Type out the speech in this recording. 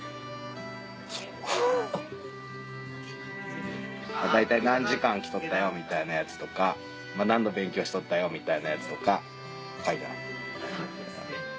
そうフフ。大体何時間来とったよみたいなやつとか何の勉強しとったよみたいなやつとか書いてある。